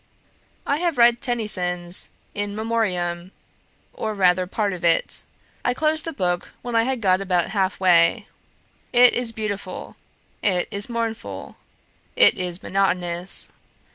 "I have read Tennyson's 'In Memoriam,' or rather part of it; I closed the book when I had got about half way. It is beautiful; it is mournful; it is monotonous.